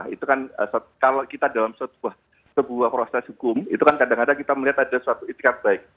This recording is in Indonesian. itu kan kalau kita dalam sebuah proses hukum itu kan kadang kadang kita melihat ada suatu itikat baik